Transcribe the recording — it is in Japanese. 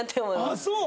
あっそう。